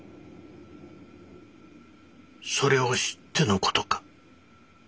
それを知っての事か？